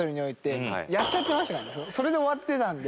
それで終わってたんで。